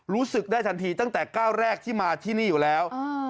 รู้สึกได้ทันทีตั้งแต่ก้าวแรกที่มาที่นี่อยู่แล้ว